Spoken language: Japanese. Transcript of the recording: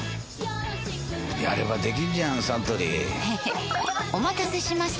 やればできんじゃんサントリーへへっお待たせしました！